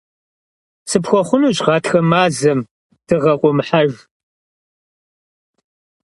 Сыпхуэхъунущ гъатхэ мазэм дыгъэ къуэмыхьэж.